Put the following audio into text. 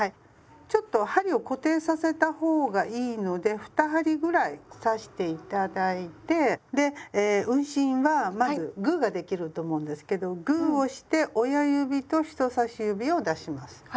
ちょっと針を固定させた方がいいので２針ぐらい刺して頂いてで運針はまずグーができると思うんですけどグーをして親指と人さし指を出します。